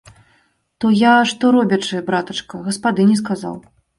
То я, што робячы, братачка, гаспадыні сказаў.